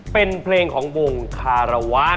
เป็นเพลงของวงคารวาน